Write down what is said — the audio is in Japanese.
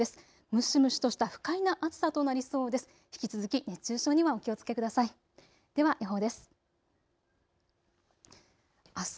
蒸し蒸しとした不快な暑さとなりそうです。